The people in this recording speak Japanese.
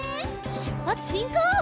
しゅっぱつしんこう！